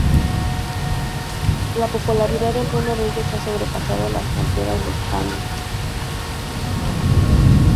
La popularidad de algunos de ellos ha sobrepasado las fronteras de España.